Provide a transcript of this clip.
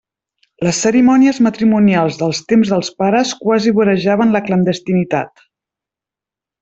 Les cerimònies matrimonials del temps dels pares quasi vorejaven la clandestinitat.